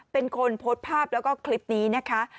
เป็นคนโพสต์ภาพแล้วก็คลิปนี้นะคะ